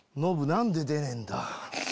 何で出ねえんだ？